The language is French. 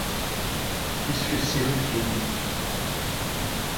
Puisque Cyrus le dit !